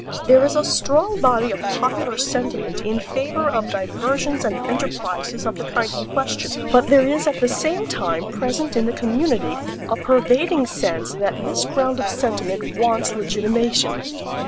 There is a strong body of popular sentiment in favor of diversions and enterprises of the kind in question; but there is at the same time present in the community a pervading sense that this ground of sentiment wants legitimation.